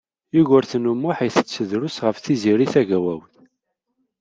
Yugurten U Muḥ itett drus ɣef Tiziri Tagawawt.